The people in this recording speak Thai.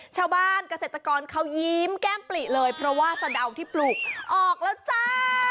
เกษตรกรเขายิ้มแก้มปลิเลยเพราะว่าสะดาวที่ปลูกออกแล้วจ้า